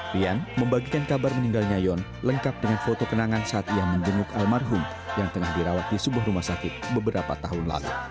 rian membagikan kabar meninggalnya yon lengkap dengan foto kenangan saat ia menjenguk almarhum yang tengah dirawat di sebuah rumah sakit beberapa tahun lalu